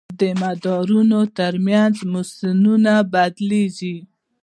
د مدارونو تر منځ موسمونه بدلېږي.